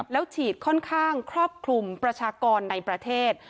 แล้วฉีดค่อนข้างครอบคลุมประชากรในประเทศ